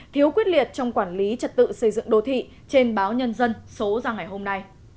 thiếu quyết liệt trong quản lý trật tự xây dựng đô thị trên báo nhân dân số ra ngày hôm nay